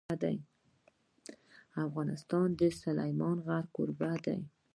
افغانستان د سلیمان غر کوربه دی.